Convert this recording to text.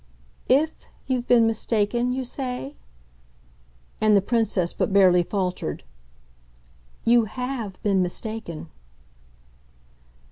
"'If' you've been mistaken, you say?" and the Princess but barely faltered. "You HAVE been mistaken."